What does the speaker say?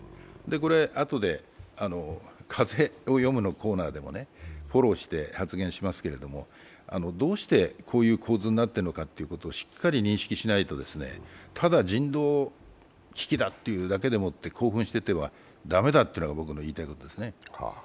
これ、あとで「風をよむ」のコーナーでも心して発言しますけど、どうしてこういう構図になっているのかをしっかり認識しないとただ人道危機だと興奮していては駄目だというのが僕の言いたいことですね。